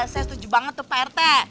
saya setuju banget tuh pak rt